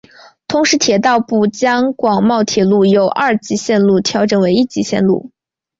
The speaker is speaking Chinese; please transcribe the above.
同时铁道部将广茂铁路由二级线路调整为一级线路。